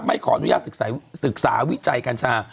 ขออนุญาตศึกษาวิจัยกัญชา